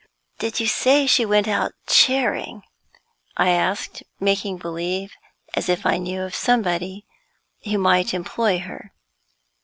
"Did you say she went out charing?" I asked, making believe as if I knew of somebody who might employ her.